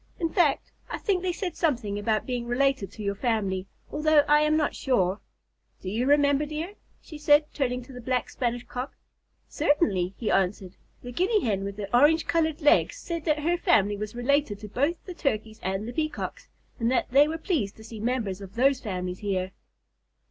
"In fact, I think they said something about being related to your family, although I am not sure. Do you remember, dear?" she said, turning to the Black Spanish Cock. "Certainly," he answered. "The Guinea Hen with the orange colored legs said that their family was related to both the Turkeys and the Peacocks, and that they were pleased to see members of those families here."